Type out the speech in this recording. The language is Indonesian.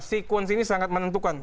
sekuensi ini sangat menentukan